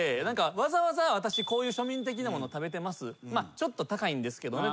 「ちょっと高いんですけどね」